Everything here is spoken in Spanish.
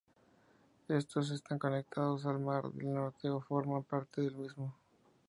Estos están conectados al mar del Norte o forman parte del mismo.